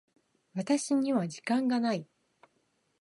私には時間がない。